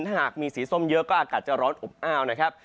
ถ้าหากมีสีส้มเยอะก็อากาศจะร้อนอบอ้าวนะครับ